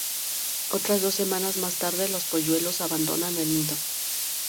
Otras dos semanas más tarde, los polluelos abandonan el nido.